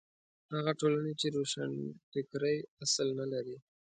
هغه ټولنې چې روښانفکرۍ اصل نه لري.